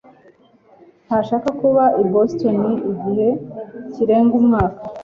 ntashaka kuba i Boston igihe kirenga umwaka.